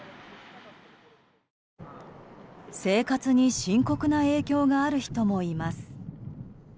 生活に深刻な影響がある人もいます。